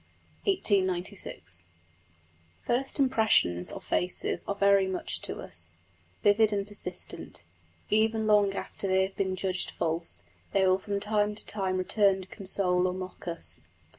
CHAPTER XV SELBORNE (1896) First impressions of faces are very much to us; vivid and persistent, even long after they have been judged false they will from time to time return to console or mock us.